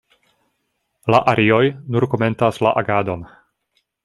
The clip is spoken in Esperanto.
La arioj nur komentas la agadon.